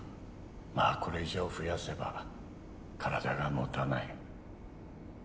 まぁこれ以上増やせば体が持たない。